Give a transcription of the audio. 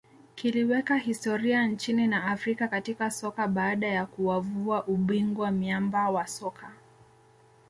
kiliweka historia nchini na Afrika katika soka baada ya kuwavua ubingwa miamba wa soka